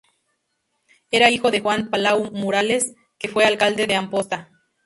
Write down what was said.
Era hijo de Juan Palau Miralles, que fue alcalde de Amposta.